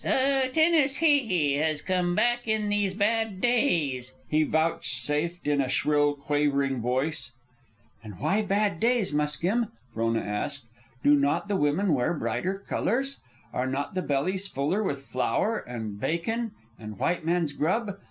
"So Tenas Hee Hee has come back in these bad days," he vouchsafed in a shrill, quavering voice. "And why bad days, Muskim?" Frona asked. "Do not the women wear brighter colors? Are not the bellies fuller with flour and bacon and white man's grub?